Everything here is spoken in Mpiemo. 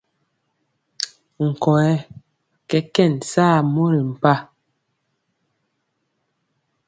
Nkɔyɛ kɛkɛn saa mori mpa.